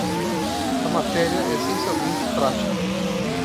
A matéria é essencialmente prática.